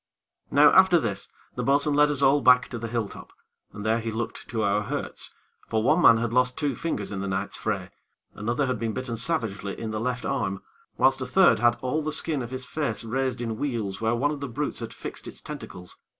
Now after this, the bo'sun led us all back to the hill top, and there he looked to our hurts; for one man had lost two fingers in the night's fray; another had been bitten savagely in the left arm; whilst a third had all the skin of his face raised in wheals where one of the brutes had fixed its tentacles.